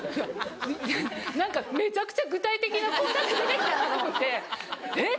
何かめちゃくちゃ具体的な献立出て来たなと思って「えっ！」。